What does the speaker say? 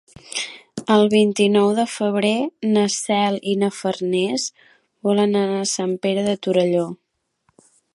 El vint-i-nou de febrer na Cel i na Farners volen anar a Sant Pere de Torelló.